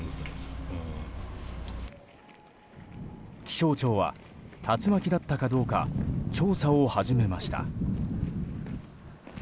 気象庁は竜巻だったかどうか調査を始めました。